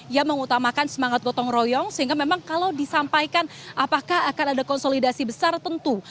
ia mengutamakan semangat gotong royong sehingga memang kalau disampaikan apakah akan ada konsolidasi besar tentu